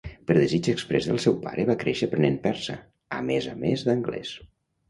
Per desig exprés del seu pare, va créixer aprenent persa, a més a més d'anglès.